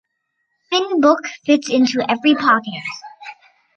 Thin book fits into every pocket.